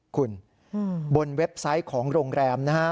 คุณบนเว็บไซต์ของโรงแรมนะฮะ